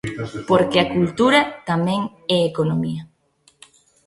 Porque a cultura tamén é economía.